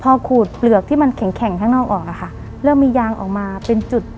พอขูดเปลือกที่มันแข็งแข็งข้างนอกออกอะค่ะเริ่มมียางออกมาเป็นจุด